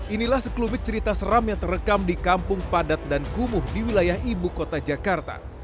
inilah sekelubit cerita seram yang terekam di kampung padat dan kumuh di wilayah ibu kota jakarta